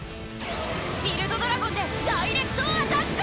ビルド・ドラゴンでダイレクトアタック！